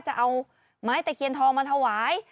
จะเอาไม้ตะเคียนทองมาถวาย